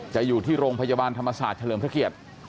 อยู่ที่โรงพยาบาลธรรมศาสตร์เฉลิมพระเกียรติ